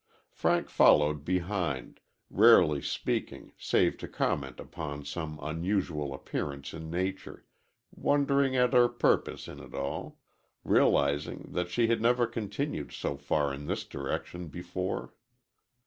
Frank followed behind, rarely speaking save to comment upon some unusual appearance in nature wondering at her purpose in it all, realizing that they had never continued so far in this direction before.